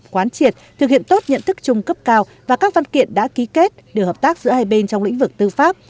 quán triệt thực hiện tốt nhận thức chung cấp cao và các văn kiện đã ký kết đều hợp tác giữa hai bên trong lĩnh vực tư pháp